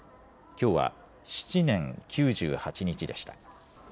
きょうは７年９８日でした。